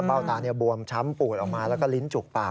ตาบวมช้ำปูดออกมาแล้วก็ลิ้นจุกปาก